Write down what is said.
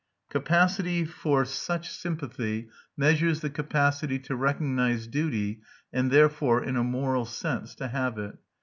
Capacity for such sympathy measures the capacity to recognise duty and therefore, in a moral sense, to have it.